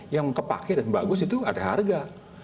yang kepake dan bagus itu ada harga